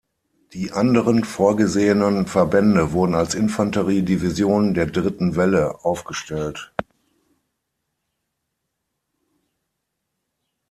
Die anderen vorgesehenen Verbände wurden als Infanterie-Divisionen der dritten Welle aufgestellt.